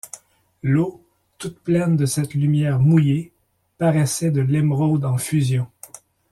L’eau, toute pleine de cette lumière mouillée, paraissait de l’émeraude en fusion.